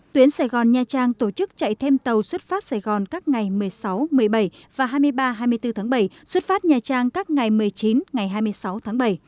tuyến sài gòn nha trang tổ chức chạy thêm tàu xuất phát sài gòn các ngày một mươi sáu một mươi bảy và hai mươi ba hai mươi bốn tháng bảy xuất phát nha trang các ngày một mươi chín ngày hai mươi sáu tháng bảy